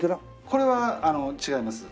これはあの違います。